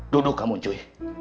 duduk kamu cuy